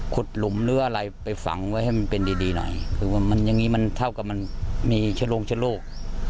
หลุมหรืออะไรไปฝังไว้ให้มันเป็นดีดีหน่อยคือว่ามันอย่างนี้มันเท่ากับมันมีชะโงชะโลก